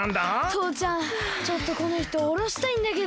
とうちゃんちょっとこのひとおろしたいんだけど。